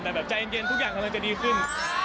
แต่แบบใจเย็นทุกอย่างกำลังจะดีขึ้น